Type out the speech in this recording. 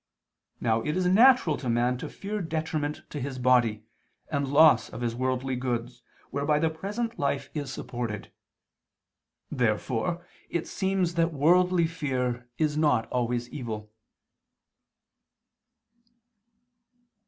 Now it is natural to man to fear detriment to his body, and loss of his worldly goods, whereby the present life is supported. Therefore it seems that worldly fear is not always evil.